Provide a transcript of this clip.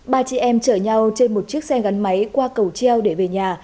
ba chị em chở nhau trên một chiếc xe gắn máy qua cầu treo để về nhà